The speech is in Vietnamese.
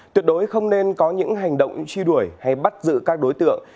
tuyệt đối không nên có những hành động truy đuổi hay bắt giữ các đối tượng